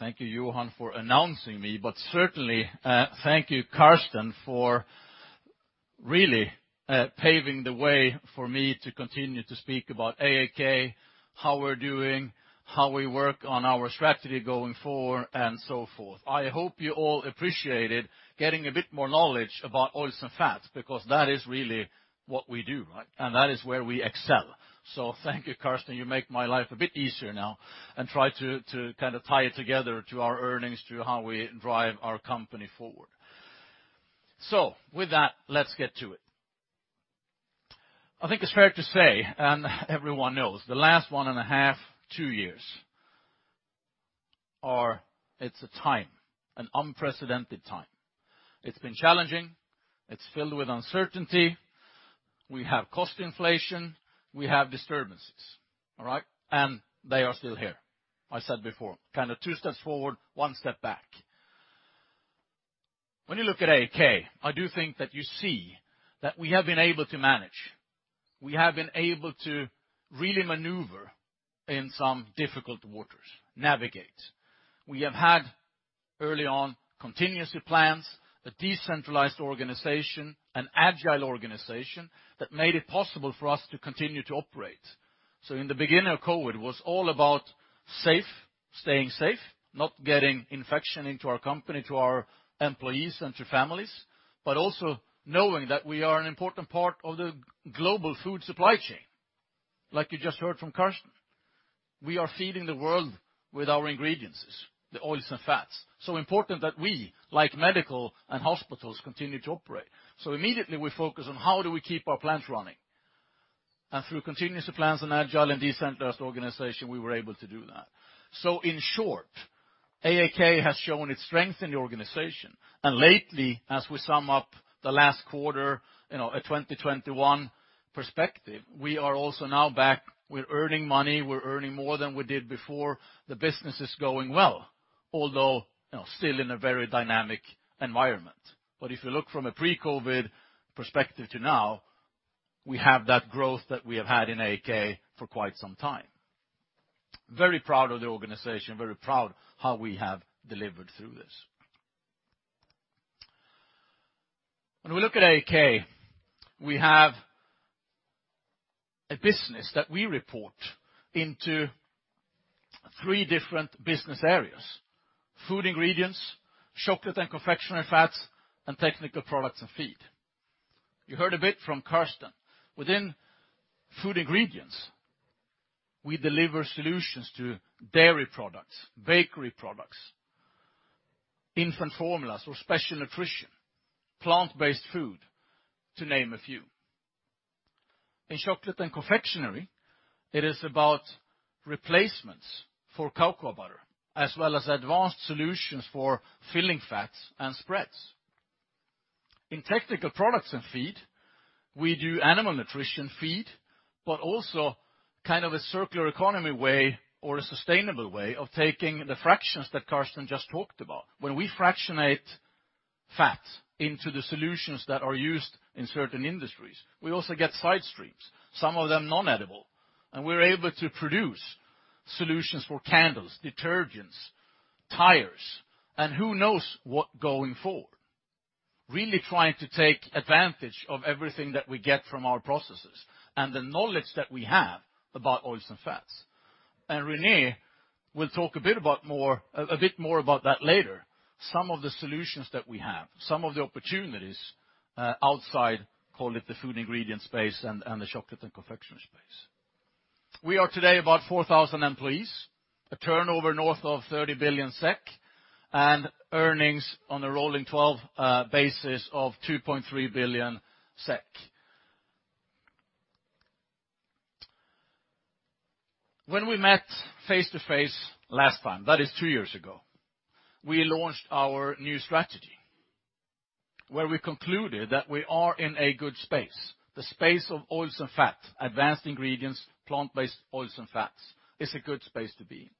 Thank you, Johan, for announcing me. Certainly, thank you, Carsten, for really paving the way for me to continue to speak about AAK, how we're doing, how we work on our strategy going forward, and so forth. I hope you all appreciated getting a bit more knowledge about oils and fats, because that is really what we do and that is where we excel. Thank you, Carsten. You make my life a bit easier now and try to tie it together to our earnings to how we drive our company forward. With that, let's get to it. I think it's fair to say, and everyone knows, the last 1.5-2 years are an unprecedented time. It's been challenging. It's filled with uncertainty. We have cost inflation. We have disturbances. They are still here. I said before, two steps forward, one step back. When you look at AAK, I do think that you see that we have been able to manage. We have been able to really maneuver in some difficult waters, navigate. We have had early on contingency plans, a decentralized organization, an agile organization that made it possible for us to continue to operate. In the beginning of COVID, it was all about staying safe, not getting infection into our company, to our employees and to families, but also knowing that we are an important part of the global food supply chain. Like you just heard from Carsten, we are feeding the world with our ingredients, the oils and fats. Important that we, like medical and hospitals, continue to operate. Immediately we focus on how do we keep our plants running? Through contingency plans and agile and decentralized organization, we were able to do that. In short, AAK has shown its strength in the organization. Lately, as we sum up the last quarter, a 2021 perspective, we are also now back. We're earning money. We're earning more than we did before. The business is going well, although, still in a very dynamic environment. If you look from a pre-COVID perspective to now, we have that growth that we have had in AAK for quite some time. Very proud of the organization, very proud how we have delivered through this. When we look at AAK, we have a business that we report into three different business areas. Food Ingredients, Chocolate and Confectionery Fats, and Technical Products and Feed. You heard a bit from Carsten. Within Food Ingredients, we deliver solutions to dairy products, bakery products, infant formulas or special nutrition, plant-based food, to name a few. In Chocolate and Confectionery, it is about replacements for cocoa butter, as well as advanced solutions for filling fats and spreads. In Technical Products and Feed, we do animal nutrition feed, but also a circular economy way or a sustainable way of taking the fractions that Carsten just talked about. When we fractionate fat into the solutions that are used in certain industries, we also get side streams, some of them non-edible, and we're able to produce solutions for candles, detergents, tires, and who knows what going forward. Really trying to take advantage of everything that we get from our processes and the knowledge that we have about oils and fats. René will talk a bit more about that later, some of the solutions that we have, some of the opportunities outside, call it the Food Ingredients space and the Chocolate and Confectionery space. We are today about 4,000 employees, a turnover north of 30 billion SEK, and earnings on a rolling 12 basis of 2.3 billion SEK. When we met face-to-face last time, that is two years ago, we launched our new strategy, where we concluded that we are in a good space. The space of oils and fats, advanced ingredients, plant-based oils and fats is a good space to be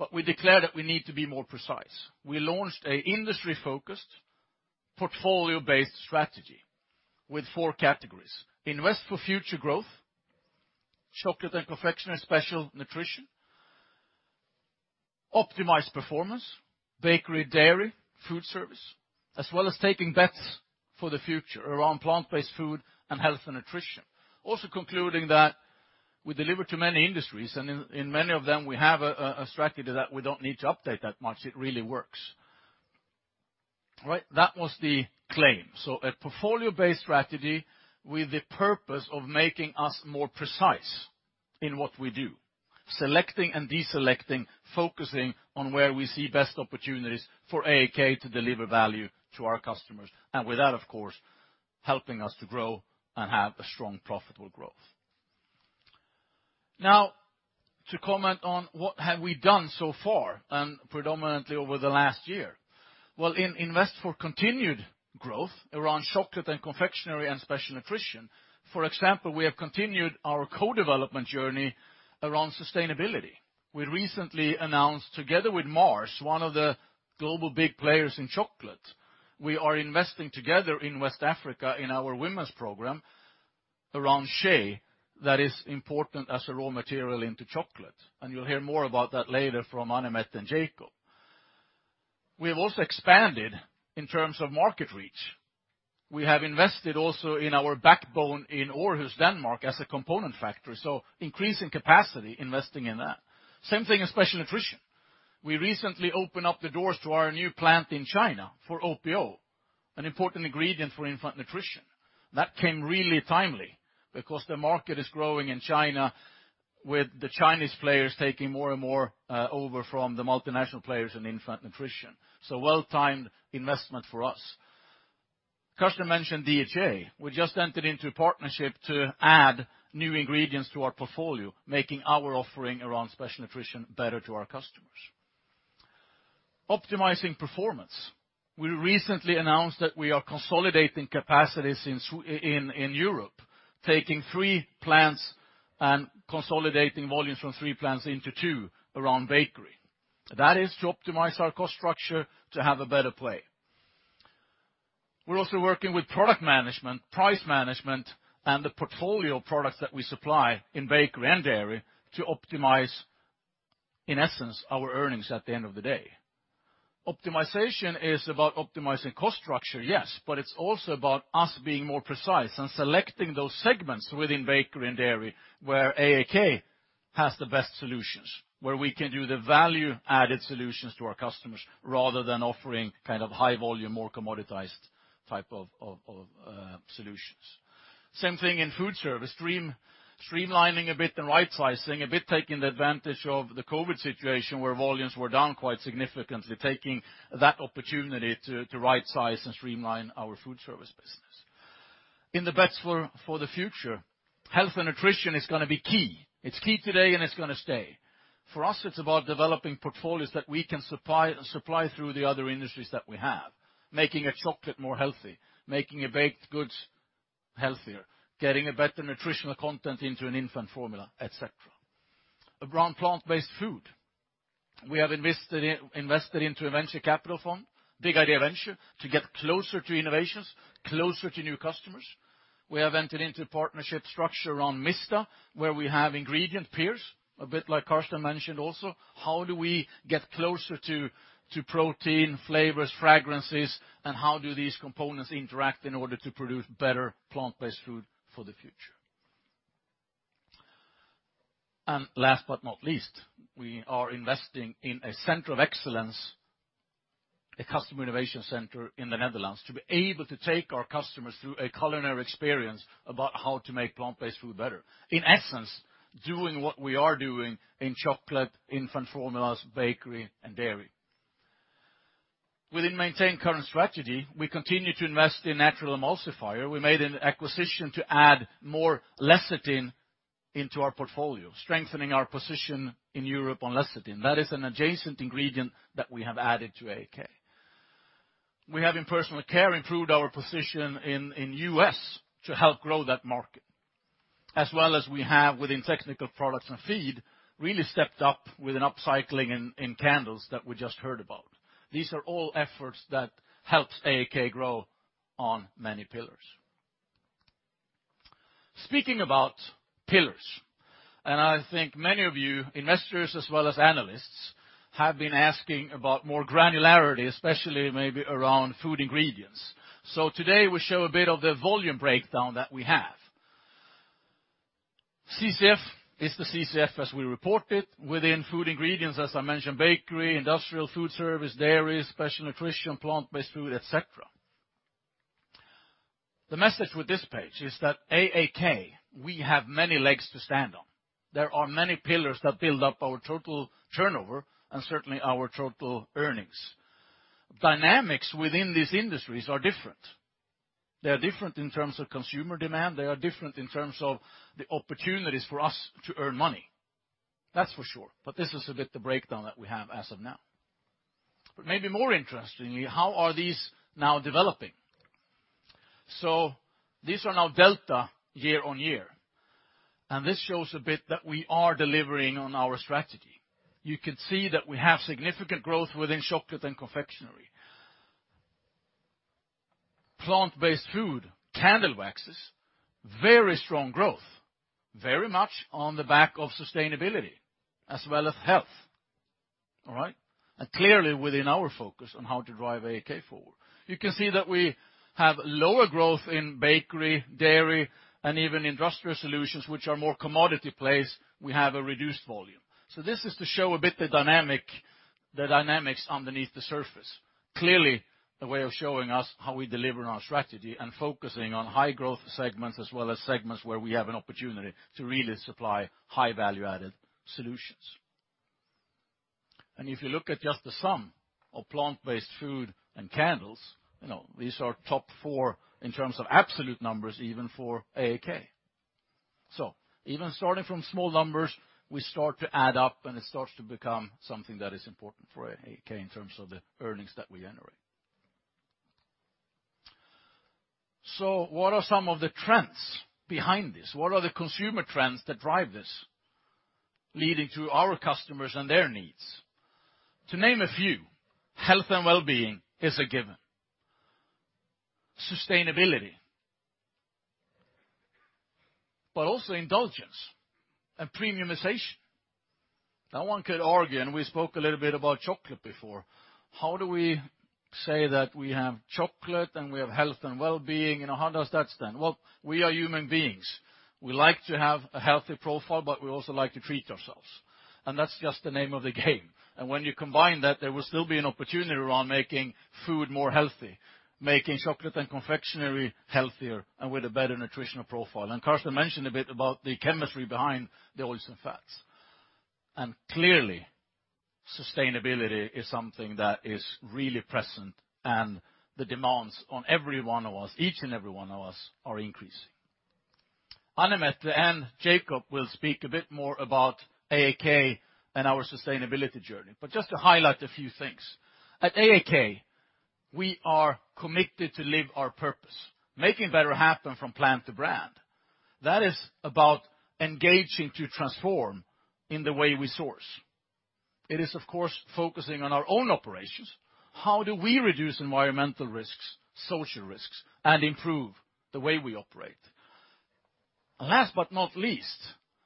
in. We declared that we need to be more precise. We launched a industry-focused, portfolio-based strategy with four categories: invest for future growth, chocolate and confectionery, special nutrition, optimize performance, bakery, dairy, food service, as well as taking bets for the future around plant-based food and health and nutrition. Also concluding that we deliver to many industries, and in many of them, we have a strategy that we don't need to update that much. It really works. That was the claim. A portfolio-based strategy with the purpose of making us more precise in what we do. Selecting and deselecting, focusing on where we see best opportunities for AAK to deliver value to our customers. With that, of course, helping us to grow and have a strong, profitable growth. Now to comment on what have we done so far and predominantly over the last year. Well, we invest for continued growth around chocolate and confectionery and special nutrition, for example. We have continued our co-development journey around sustainability. We recently announced together with Mars, one of the global big players in chocolate. We are investing together in West Africa in our women's program around shea that is important as a raw material into chocolate, and you'll hear more about that later from Anne-Mette and Jacob. We have also expanded in terms of market reach. We have invested also in our backbone in Aarhus, Denmark as a component factory, so increasing capacity investing in that. Same thing in special nutrition. We recently opened up the doors to our new plant in China for OPO, an important ingredient for infant nutrition. That came really timely because the market is growing in China, with the Chinese players taking more and more over from the multinational players in infant nutrition. Well-timed investment for us. Carsten mentioned DHA. We just entered into a partnership to add new ingredients to our portfolio, making our offering around special nutrition better to our customers. Optimizing performance. We recently announced that we are consolidating capacities in Sweden, in Europe, taking three plants and consolidating volumes from three plants into two around bakery. That is to optimize our cost structure to have a better play. We're also working with product management, price management, and the portfolio products that we supply in bakery and dairy to optimize, in essence, our earnings at the end of the day. Optimization is about optimizing cost structure, yes, but it's also about us being more precise and selecting those segments within bakery and dairy where AAK has the best solutions, where we can do the value-added solutions to our customers rather than offering high volume, more commoditized type of solutions. Same thing in food service. Streamlining a bit and rightsizing a bit, taking advantage of the COVID situation where volumes were down quite significantly, taking that opportunity to right-size and streamline our food service business. In the bets for the future, health and nutrition is going to be key. It's key today, and it's going to stay. For us, it's about developing portfolios that we can supply through the other industries that we have, making chocolate more healthy, making baked goods healthier, getting a better nutritional content into an infant formula, et cetera. Around plant-based food, we have invested into a venture capital fund, Big Idea Ventures, to get closer to innovations, closer to new customers. We have entered into partnership structure around Mista, where we have ingredient peers, a bit like Carsten mentioned also. How do we get closer to protein, flavors, fragrances, and how do these components interact in order to produce better plant-based food for the future? Last but not least, we are investing in a center of excellence, a customer innovation center in the Netherlands, to be able to take our customers through a culinary experience about how to make plant-based food better, in essence, doing what we are doing in chocolate, infant formulas, bakery, and dairy. While maintaining current strategy, we continue to invest in natural emulsifier. We made an acquisition to add more lecithin into our portfolio, strengthening our position in Europe on lecithin. That is an adjacent ingredient that we have added to AAK. We have in personal care improved our position in U.S. to help grow that market, as well as we have within Technical Products and Feed really stepped up with an upcycling in candles that we just heard about. These are all efforts that helped AAK grow on many pillars. Speaking about pillars, and I think many of you, investors as well as analysts, have been asking about more granularity, especially maybe around Food Ingredients. Today we show a bit of the volume breakdown that we have. CCF is the CCF as we report it. Within Food Ingredients, as I mentioned, bakery, industrial food service, dairy, special nutrition, plant-based food, et cetera. The message with this page is that AAK, we have many legs to stand on. There are many pillars that build up our total turnover and certainly our total earnings. Dynamics within these industries are different. They are different in terms of consumer demand. They are different in terms of the opportunities for us to earn money. That's for sure, but this is a bit the breakdown that we have as of now. Maybe more interestingly, how are these now developing? These are now delta year-over-year, and this shows a bit that we are delivering on our strategy. You can see that we have significant growth within chocolate and confectionery. Plant-based food, candle waxes, very strong growth, very much on the back of sustainability as well as health. Clearly within our focus on how to drive AAK forward. You can see that we have lower growth in bakery, dairy, and even industrial solutions, which are more commodity plays; we have a reduced volume. This is to show the dynamics underneath the surface. Clearly, a way of showing us how we deliver on our strategy and focusing on high growth segments as well as segments where we have an opportunity to really supply high value-added solutions. If you look at just the sum of plant-based food and candles, these are top four in terms of absolute numbers even for AAK. Even starting from small numbers, we start to add up, and it starts to become something that is important for AAK in terms of the earnings that we generate. What are some of the trends behind this? What are the consumer trends that drive this, leading to our customers and their needs? To name a few, health and wellbeing is a given. Sustainability, but also indulgence and premiumization. Now one could argue, and we spoke a little bit about chocolate before, how do we say that we have chocolate and we have health and wellbeing? How does that stand? Well, we are human beings. We like to have a healthy profile, but we also like to treat ourselves, and that's just the name of the game and when you combine that, there will still be an opportunity around making food more healthy, making chocolate and confectionery healthier and with a better nutritional profile. Carsten mentioned a bit about the chemistry behind the oils and fats. Clearly, sustainability is something that is really present and the demands on every one of us, each and every one of us, are increasing. Anne-Mette and Jacob will speak a bit more about AAK and our sustainability journey. Just to highlight a few things, at AAK, we are committed to live our purpose, Making Better Happen from plant to brand. That is about engaging to transform in the way we source. It is, of course, focusing on our own operations. How do we reduce environmental risks, social risks, and improve the way we operate? Last but not least,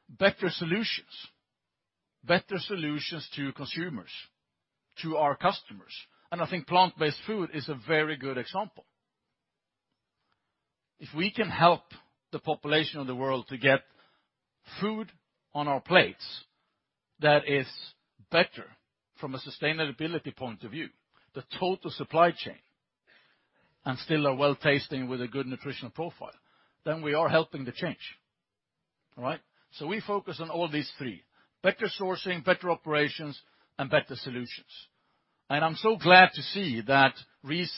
better solutions. Better solutions to consumers, to our customers, and I think plant-based food is a very good example. If we can help the population of the world to get food on our plates that is better from a sustainability point of view, the total supply chain, and still are well-tasting with a good nutritional profile, then we are helping the change. We focus on all these three, better sourcing, better operations, and better solutions. I'm so glad to see that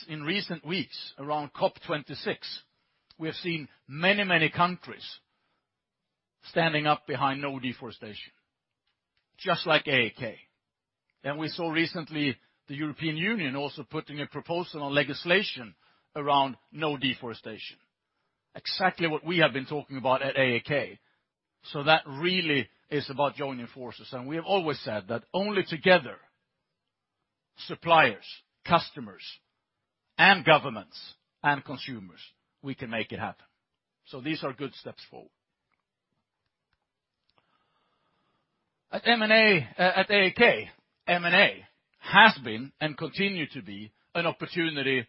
in recent weeks around COP26, we have seen many, many countries standing up behind no deforestation, just like AAK. We saw recently the European Union also putting a proposal on legislation around no deforestation. Exactly what we have been talking about at AAK. That really is about joining forces, and we have always said that only together, suppliers, customers, and governments, and consumers, we can make it happen. These are good steps forward. At AAK, M&A has been and continue to be an opportunity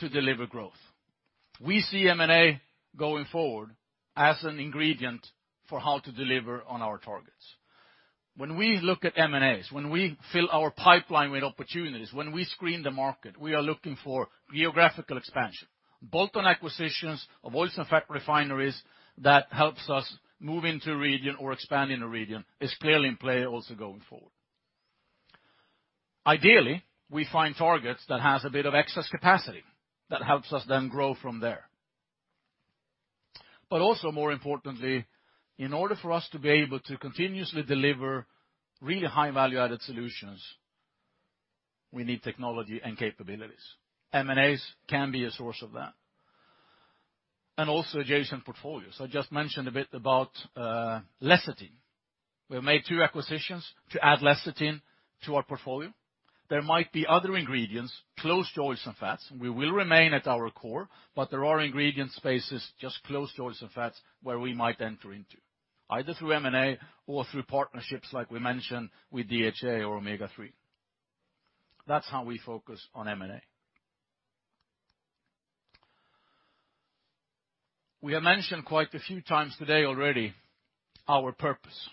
to deliver growth. We see M&A going forward as an ingredient for how to deliver on our targets. When we look at M&As, when we fill our pipeline with opportunities, when we screen the market, we are looking for geographical expansion. Bolt-on acquisitions of oils and fat refineries that helps us move into a region or expand in a region is clearly in play also going forward. Ideally, we find targets that has a bit of excess capacity that helps us then grow from there. Also more importantly, in order for us to be able to continuously deliver really high value-added solutions, we need technology and capabilities. M&As can be a source of that. Also adjacent portfolios. I just mentioned a bit about lecithin. We have made two acquisitions to add lecithin to our portfolio. There might be other ingredients, close to oils and fats, and we will remain at our core, but there are ingredient spaces just close to oils and fats where we might enter into either through M&A or through partnerships like we mentioned with DHA or omega-3. That's how we focus on M&A. We have mentioned quite a few times today already our purpose.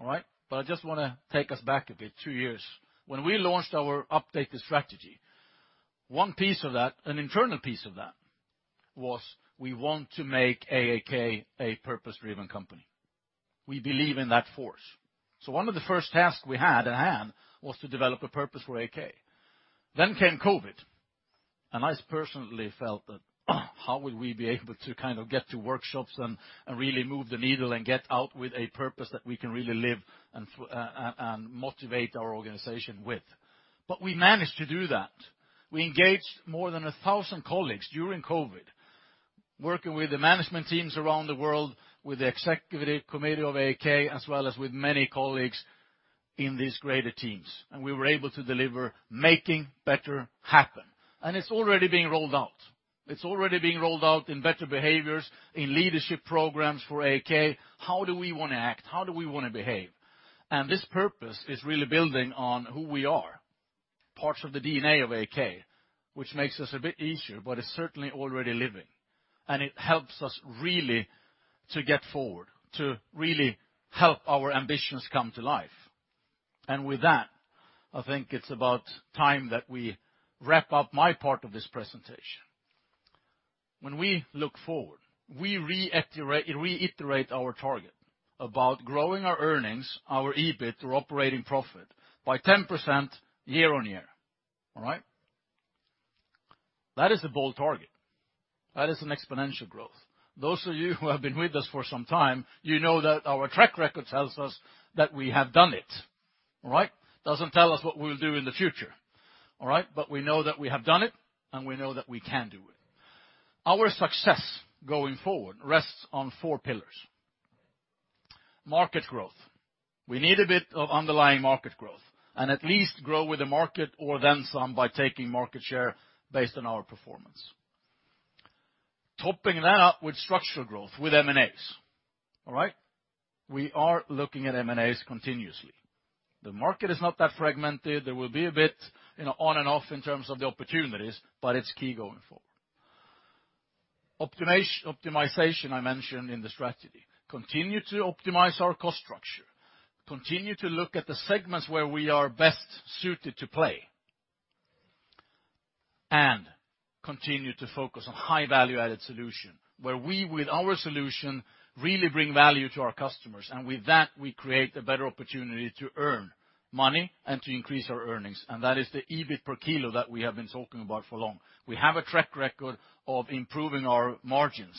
I just want to take us back a bit, two years. When we launched our updated strategy, one piece of that, an internal piece of that, was we want to make AAK a purpose-driven company. We believe in that force. One of the first tasks we had at hand was to develop a purpose for AAK. Then came COVID, and I personally felt that, how would we be able to get to workshops and really move the needle and get out with a purpose that we can really live and motivate our organization with? We managed to do that. We engaged more than 1,000 colleagues during COVID, working with the management teams around the world, with the executive committee of AAK, as well as with many colleagues in these greater teams, and we were able to deliver Making Better Happen, and it's already being rolled out. It's already being rolled out in better behaviors, in leadership programs for AAK. How do we want to act? How do we want to behave? This purpose is really building on who we are, parts of the DNA of AAK, which makes us a bit easier, but it's certainly already living. It helps us really to get forward, to really help our ambitions come to life. With that, I think it's about time that we wrap up my part of this presentation. When we look forward, we reiterate our target about growing our earnings, our EBIT or operating profit, by 10% year-on-year. That is a bold target. That is an exponential growth. Those of you who have been with us for some time, you know that our track record tells us that we have done it. Doesn't tell us what we'll do in the future. We know that we have done it, and we know that we can do it. Our success going forward rests on four pillars. Market growth. We need a bit of underlying market growth, and at least grow with the market or then some by taking market share based on our performance. Topping that up with structural growth, with M&As. We are looking at M&As continuously. The market is not that fragmented. There will be a bit on and off in terms of the opportunities, but it's key going forward. Optimization I mentioned in the strategy. Continue to optimize our cost structure. Continue to look at the segments where we are best suited to play. Continue to focus on high value-added solution, where we, with our solution, really bring value to our customers. With that, we create a better opportunity to earn money and to increase our earnings. That is the EBIT per kilo that we have been talking about for long. We have a track record of improving our margins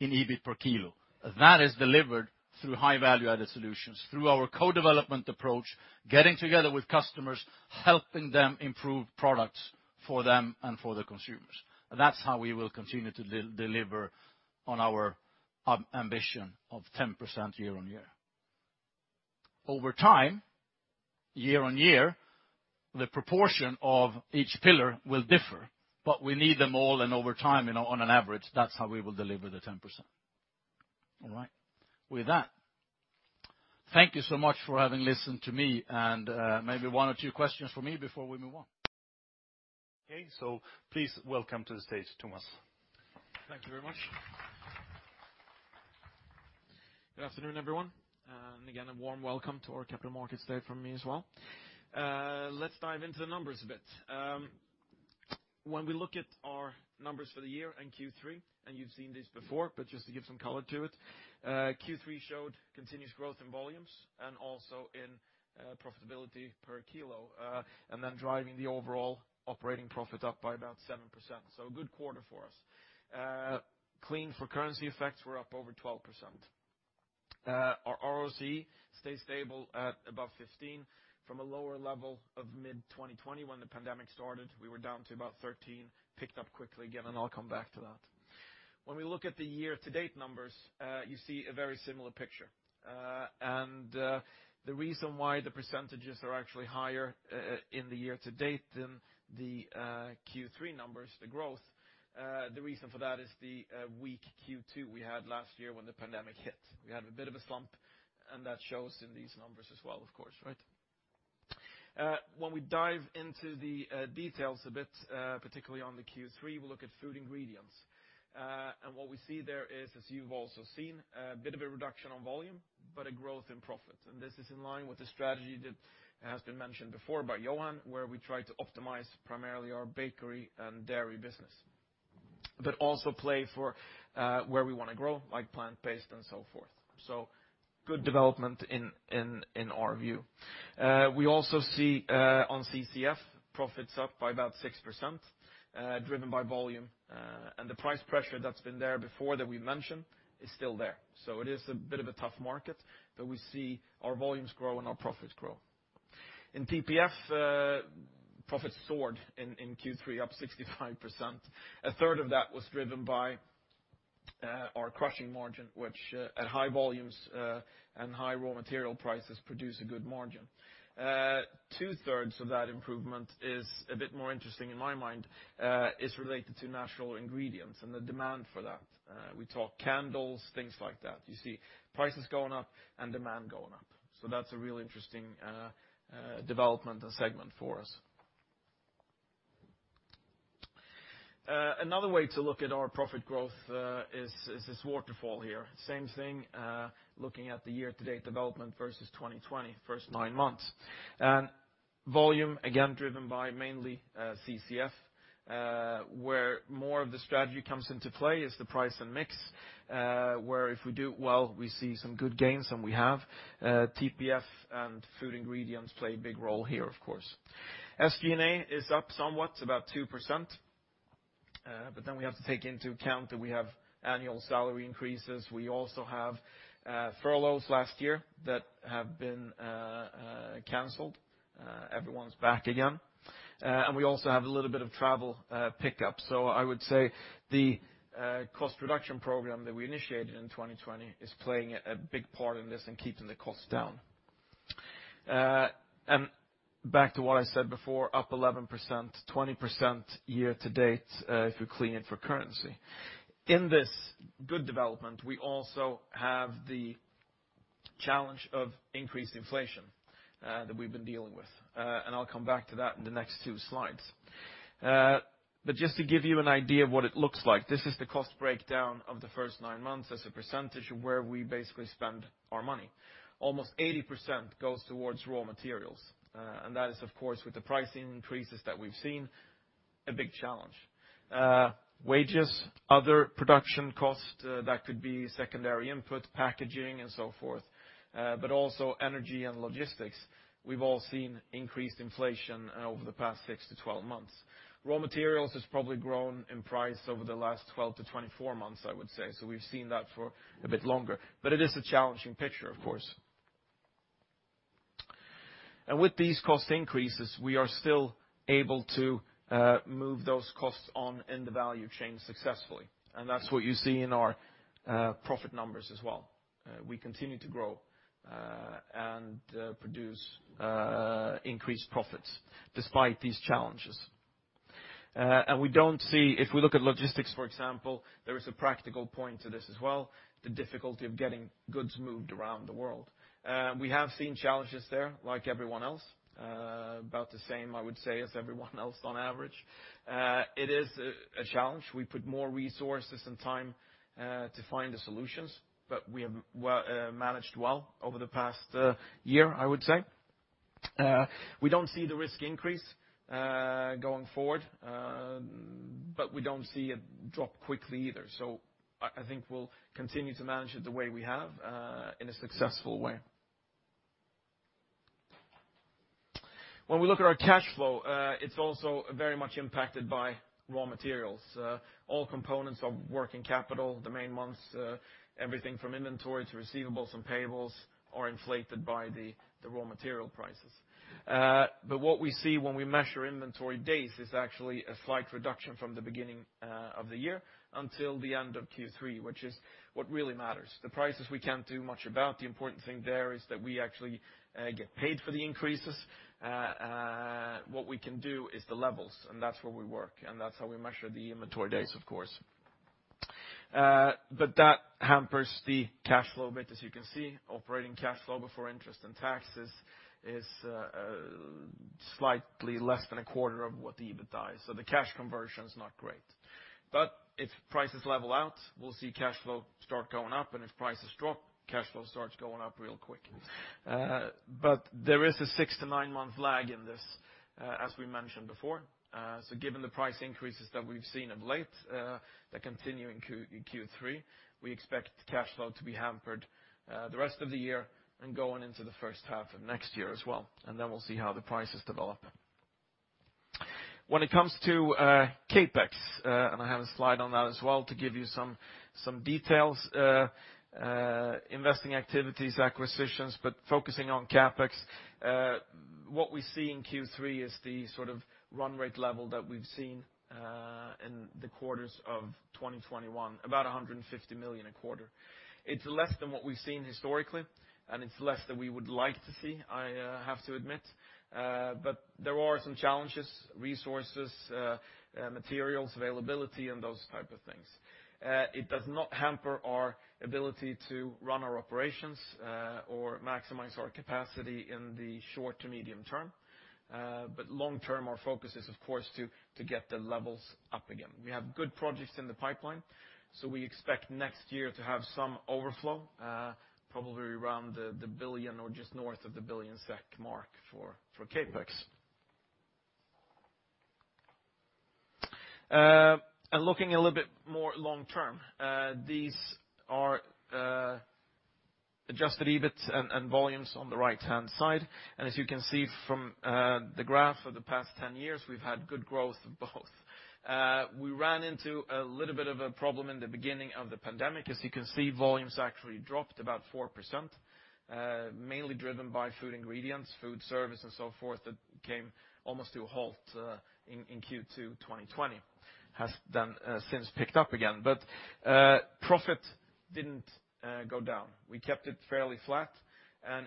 in EBIT per kilo. That is delivered through high value-added solutions, through our co-development approach, getting together with customers, helping them improve products for them and for the consumers. That's how we will continue to deliver on our ambition of 10% year-over-year. Over time, year-over-year, the proportion of each pillar will differ, but we need them all, and over time, on an average, that's how we will deliver the 10%. All right. With that, thank you so much for having listened to me, and maybe one or two questions for me before we move on. Please welcome to the stage Tomas. Thank you very much. Good afternoon, everyone, and again, a warm welcome to our Capital Markets Day from me as well. Let's dive into the numbers a bit. When we look at our numbers for the year and Q3, and you've seen these before, but just to give some color to it, Q3 showed continuous growth in volumes and also in profitability per kilo, and then driving the overall operating profit up by about 7%. A good quarter for us. Clean for currency effects, we're up over 12%. Our ROC stayed stable at above 15 from a lower level of mid-2020 when the pandemic started. We were down to about 13, picked up quickly again, and I'll come back to that. When we look at the year-to-date numbers, you see a very similar picture. The reason why the percentages are actually higher in the year to date than the Q3 numbers is the weak Q2 we had last year when the pandemic hit. We had a bit of a slump and that shows in these numbers as well, of course. When we dive into the details a bit, particularly on the Q3, we'll look at Food Ingredients. What we see there is, as you've also seen, a bit of a reduction on volume, but a growth in profit. This is in line with the strategy that has been mentioned before by Johan, where we try to optimize primarily our bakery and dairy business, but also play for where we want to grow, like plant-based and so forth. Good development in our view. We also see on CCF profits up by about 6%, driven by volume. The price pressure that's been there before that we mentioned is still there. It is a bit of a tough market, but we see our volumes grow and our profits grow. In TPF, profits soared in Q3 up 65%. A third of that was driven by our crushing margin, which at high volumes and high raw material prices produce a good margin. Two-thirds of that improvement is a bit more interesting in my mind, is related to natural ingredients and the demand for that. We talk candles, things like that. You see prices going up and demand going up. That's a real interesting development and segment for us. Another way to look at our profit growth is this waterfall here. Same thing, looking at the year-to-date development versus 2020, first nine months. Volume, again, driven by mainly CCF, where more of the strategy comes into play is the price and mix, where if we do well, we see some good gains and we have. TPF and Food Ingredients play a big role here, of course. SG&A is up somewhat, about 2%, but then we have to take into account that we have annual salary increases. We also have furloughs last year that have been canceled. Everyone's back again. We also have a little bit of travel pickup. I would say the cost reduction program that we initiated in 2020 is playing a big part in this in keeping the costs down. Back to what I said before, up 11%, 20% year to date, if you clean it for currency. In this good development, we also have the challenge of increased inflation that we've been dealing with. I'll come back to that in the next two slides. Just to give you an idea of what it looks like, this is the cost breakdown of the first nine months as a percentage of where we basically spend our money. Almost 80% goes towards raw materials. That is, of course, with the pricing increases that we've seen, a big challenge. Wages, other production costs, that could be secondary input, packaging and so forth, but also energy and logistics. We've all seen increased inflation over the past 6-12 months. Raw materials has probably grown in price over the last 12-24 months, I would say. We've seen that for a bit longer. It is a challenging picture, of course. With these cost increases, we are still able to move those costs on in the value chain successfully. That's what you see in our profit numbers as well. We continue to grow and produce increased profits despite these challenges. If we look at logistics, for example, there is a practical point to this as well, the difficulty of getting goods moved around the world. We have seen challenges there like everyone else, about the same, I would say, as everyone else on average. It is a challenge. We put more resources and time to find the solutions, but we have managed well over the past year, I would say. We don't see the risk increase going forward, but we don't see a drop quickly either. I think we'll continue to manage it the way we have in a successful way. When we look at our cash flow, it's also very much impacted by raw materials. All components of working capital, the main ones, everything from inventory to receivables and payables are inflated by the raw material prices. What we see when we measure inventory days is actually a slight reduction from the beginning of the year until the end of Q3, which is what really matters. The prices we can't do much about. The important thing there is that we actually get paid for the increases. What we can do is the levels, and that's where we work, and that's how we measure the inventory days, of course. That hampers the cash flow a bit, as you can see. Operating cash flow before interest and taxes is slightly less than a quarter of what the EBITDA is. The cash conversion is not great. If prices level out, we'll see cash flow start going up. If prices drop, cash flow starts going up real quick. There is a six to nine-month lag in this, as we mentioned before. Given the price increases that we've seen of late, that continue in Q3, we expect cash flow to be hampered the rest of the year and going into the first half of next year as well. Then we'll see how the price is developing. When it comes to CapEx, I have a slide on that as well to give you some details on investing activities, acquisitions, but focusing on CapEx. What we see in Q3 is the run rate level that we've seen in the quarters of 2021, about 150 million a quarter. It's less than what we've seen historically, and it's less than we would like to see. I have to admit. There are some challenges: resources, materials, availability, and those type of things. It does not hamper our ability to run our operations or maximize our capacity in the short to medium term. Long term, our focus is, of course, to get the levels up again. We have good projects in the pipeline, so we expect next year to have some overflow, probably around 1 billion or just north of 1 billion SEK for CapEx. Looking a little bit more long term, these are adjusted EBIT and volumes on the right-hand side. As you can see from the graph for the past 10 years, we've had good growth both. We ran into a little bit of a problem in the beginning of the pandemic. As you can see, volumes actually dropped about 4%, mainly driven by Food Ingredients, food service, and so forth that came almost to a halt in Q2 2020. It has since picked up again. Profit didn't go down. We kept it fairly flat.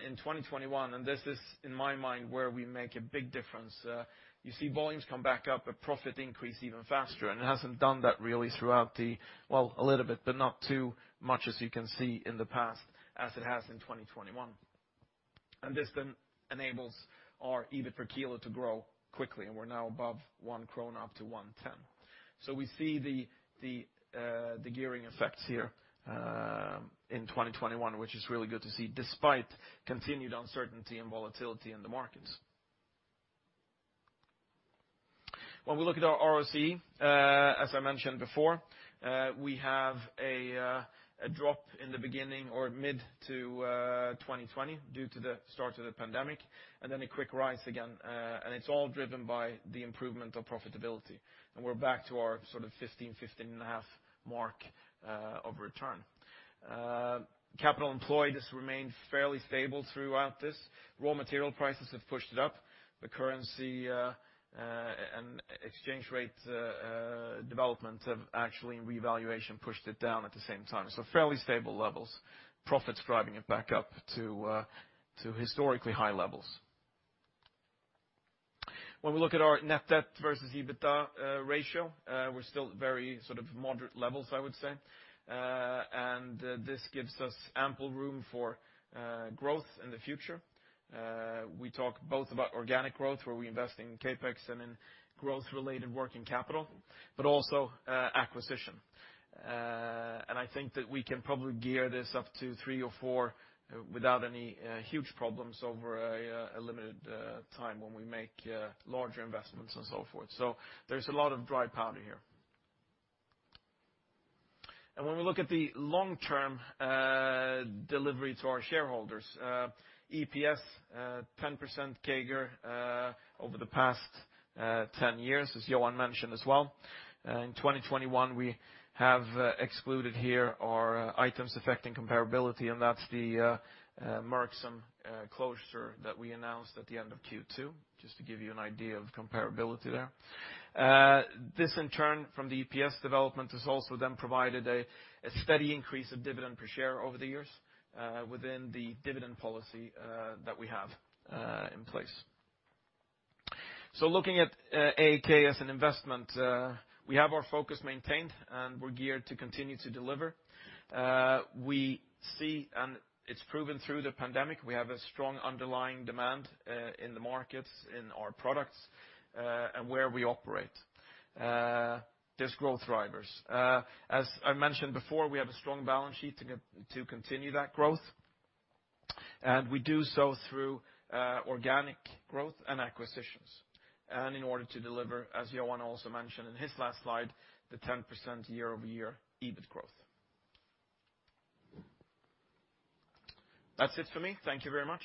In 2021, and this is, in my mind, where we make a big difference, you see volumes come back up, but profit increase even faster. It hasn't done that really throughout. Well, a little bit, but not too much as you can see in the past, as it has in 2021. This then enables our EBIT per kilo to grow quickly, and we're now above 1 krona up to 1.10. We see the gearing effects here in 2021, which is really good to see despite continued uncertainty and volatility in the markets. When we look at our ROC, as I mentioned before, we have a drop in the beginning or mid-2020 due to the start of the pandemic and then a quick rise again. It's all driven by the improvement of profitability, and we're back to our 15-15.5 mark of return. Capital employed has remained fairly stable throughout this. Raw material prices have pushed it up. The currency and exchange rate development have actually pushed it down at the same time. Fairly stable levels. Profit is driving it back up to historically high levels. When we look at our net debt versus EBITDA ratio, we're still very moderate levels, I would say. This gives us ample room for growth in the future. We talk both about organic growth, where we invest in CapEx and in growth-related working capital, but also acquisition. I think that we can probably gear this up to three or four without any huge problems over a limited time when we make larger investments and so forth. There's a lot of dry powder here. When we look at the long-term delivery to our shareholders, EPS 10% CAGR over the past 10 years, as Johan mentioned as well. In 2021, we have excluded here our items affecting comparability, and that's the Merksem closure that we announced at the end of Q2, just to give you an idea of comparability there. This in turn from the EPS development has also then provided a steady increase of dividend per share over the years, within the dividend policy that we have in place. Looking at AAK as an investment, we have our focus maintained, and we're geared to continue to deliver. We see, and it's proven through the pandemic, we have a strong underlying demand in the markets, in our products, and where we operate. There's growth drivers. As I mentioned before, we have a strong balance sheet to continue that growth, and we do so through organic growth and acquisitions. In order to deliver, as Johan also mentioned in his last slide, the 10% year-over-year EBIT growth. That's it for me. Thank you very much.